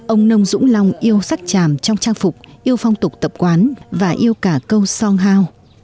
ông nông dũng long yêu sắc chàm trong trang phục yêu phong tục tập quán và yêu cả câu song hao